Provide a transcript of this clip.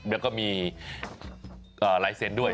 แล้วก็มีลายเซ็นต์ด้วย